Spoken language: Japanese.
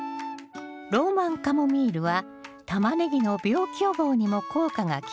ローマンカモミールはタマネギの病気予防にも効果が期待できます。